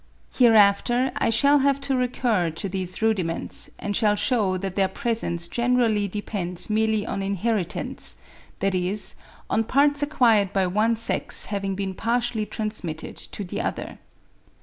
Hereafter I shall have to recur to these rudiments, and shall shew that their presence generally depends merely on inheritance, that is, on parts acquired by one sex having been partially transmitted to the other.